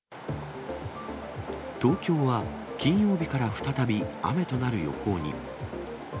東京は金曜日から再び雨となる予報に。